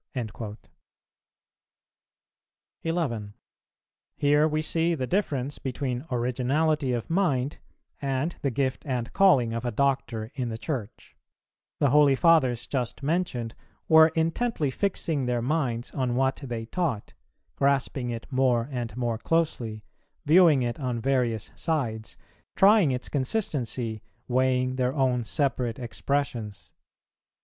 "[366:2] 11. Here we see the difference between originality of mind and the gift and calling of a Doctor in the Church; the holy Fathers just mentioned were intently fixing their minds on what they taught, grasping it more and more closely, viewing it on various sides, trying its consistency, weighing their own separate expressions.